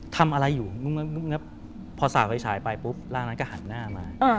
ทำอะไรอยู่พอสาดไฟฉายไปปุ๊บร่างนั้นก็หันหน้ามา